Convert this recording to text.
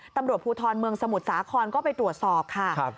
ตำรวจภูทรเมืองสมุทรสาครก็ไปตรวจสอบค่ะ